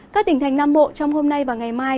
các tỉnh thành nam bộ trong hôm nay và ngày mai